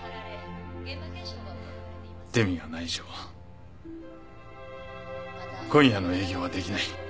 デミがない以上今夜の営業はできない。